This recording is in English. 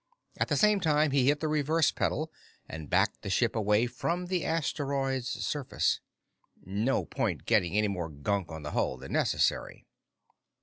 At the same time, he hit the reverse pedal and backed the ship away from the asteroid's surface. No point getting any more gunk on the hull than necessary.